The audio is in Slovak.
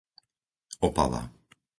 Opava